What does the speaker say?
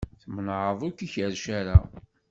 Tmenεeḍ ur k-ikerrec ara.